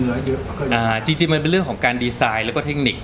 เงื้อเต็มเวลาควบคละจริงจริงมันเป็นเรื่องของการดีไซน์แล้วก็เทคนิค